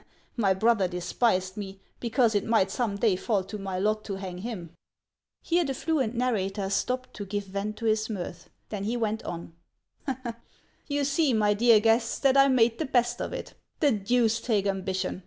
My brother despised me, because it might some time fall to my lot to hang him." Here the fluent narrator stopped to give vent to his mirth ; then he went on :—" You see, my dear guests, that I made the best of it. The deuce take ambition